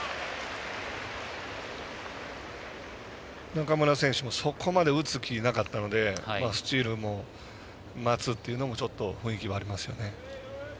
中村選手もそこまで打つ気はなかったのでスチールを待つという雰囲気がありますね。